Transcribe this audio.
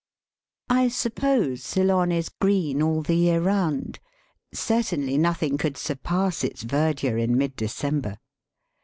I suppose Ceylon is green all the year round. Certainly nothing could surpass its verdure in mid December.